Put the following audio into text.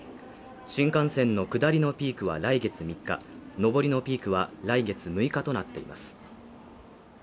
新幹線の下りのピークは来月３日上りのピークは来月６日となっています。